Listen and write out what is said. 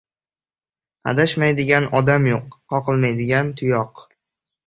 • Adashmaydigan odam yo‘q, qoqilmaydigan — tuyoq.